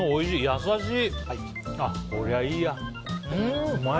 優しい！